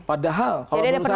padahal kalau menurut saya